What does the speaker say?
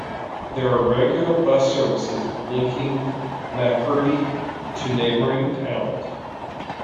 There are regular bus services linking Makurdi to neighbouring towns.